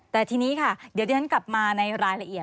แต่ทีนี้ค่ะเดี๋ยวที่ฉันกลับมาในรายละเอียด